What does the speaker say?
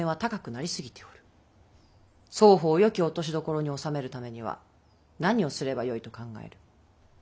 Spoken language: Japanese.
双方よき落としどころにおさめるためには何をすればよいと考える。